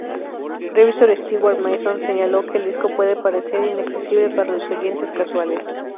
Revisor Stewart Mason, señaló que el disco puede parecer inaccesible para los oyentes casuales.